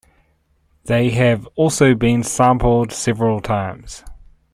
They have also been sampled several times.